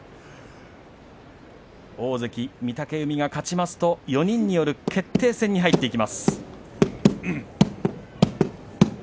大関御嶽海が勝ちますと４人による決定戦に入っていきます。